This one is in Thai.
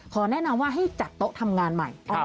แนะนำว่าให้จัดโต๊ะทำงานใหม่